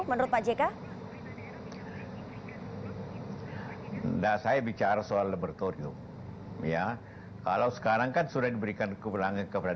menurut pak jk days i bicara soalometer ya kalau sekarang kan sudah diberikan keberangan kepada